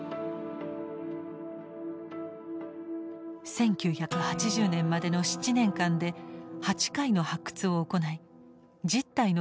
１９８０年までの７年間で８回の発掘を行い１０体の遺骨を掘り出した。